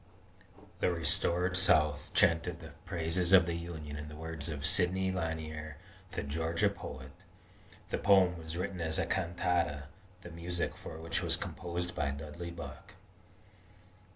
"The restored South chanted the praises of the Union in the words of Sidney Lanier, the Georgia poet." The poem was written as a cantata, the music for which was composed by Dudley Buck.